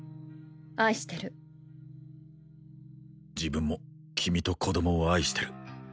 愛してる自分も君と子供を愛してる